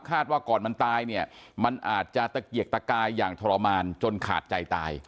ว่าก่อนมันตายเนี่ยมันอาจจะตะเกียกตะกายอย่างทรมานจนขาดใจตาย